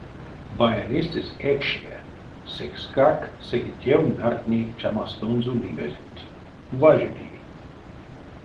Баянистэсь эчке, секскак секе тев нардтни чамастонзо ливезенть: важоди.